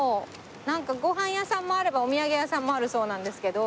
なんかご飯屋さんもあればお土産屋さんもあるそうなんですけど。